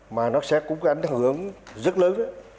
mà nó sẽ cũng có ảnh hưởng rất lớn